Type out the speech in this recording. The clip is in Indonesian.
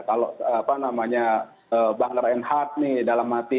kalau apa namanya bangar enhad nih dalam hati